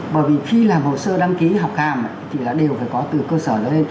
bởi vì khi làm hồ sơ đăng ký học hàm thì là đều phải có từ cơ sở đó lên